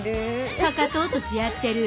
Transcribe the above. かかと落としやってる。